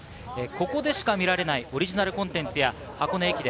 ここでしか見られないオリジナルコンテンツや箱根駅伝